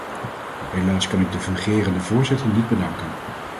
Helaas kan ik de fungerend voorzitter niet bedanken.